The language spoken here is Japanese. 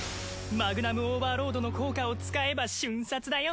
マグナム・オーバーロードの効果を使えば瞬殺だよ。